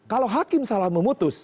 kalau hakim salah memutus